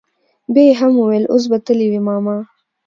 بيا يې هم وويل اوس به تلي وي ماما.